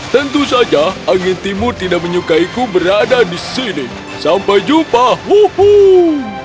tentu saja angin timur tidak menyukaiku berada di sini sampai jumpa wuhuh